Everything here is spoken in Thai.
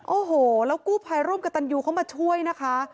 โอ้โหแล้วกู้ภัยร่วมกับตันยูเข้ามาช่วยนะคะ